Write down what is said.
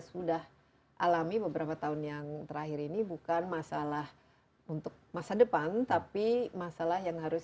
sudah alami beberapa tahun yang terakhir ini bukan masalah untuk masa depan tapi masalah yang harus